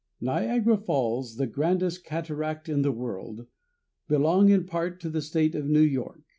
Niagara Falls, the grandest cataract in the world, belong in part to the state of New York.